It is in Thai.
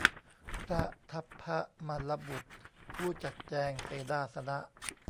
พระทัพพมัลลบุตร ผู้จัดแจงเสนาสนะ